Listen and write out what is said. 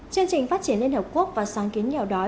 chương trình phát triển liên hợp quốc và sáng kiến nghèo đói